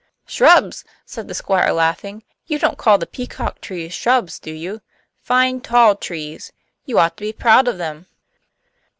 "Shrubs!" said the Squire, laughing. "You don't call the peacock trees shrubs, do you? Fine tall trees you ought to be proud of them."